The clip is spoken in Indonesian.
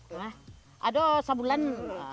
itu berapa lama sampai one bisa akrab dengan beruk